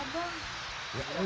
masih parah bang